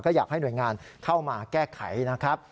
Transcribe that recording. อยากให้หน่วยงานเข้ามาแก้ไขนะครับ